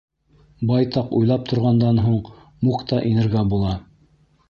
Байтаҡ уйлап торғандан һуң, Мук та инергә була.